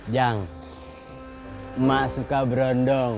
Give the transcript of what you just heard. jang mak suka berondong